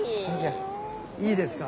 いいですか？